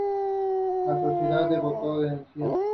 Madrid Days", un film de suspenso.